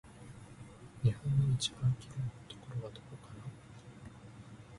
日本の一番きれいなところはどこかな